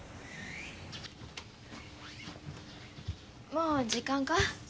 もう時間か？